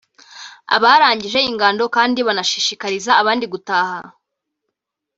Abarangije ingando kandi banashishikariza abandi gutaha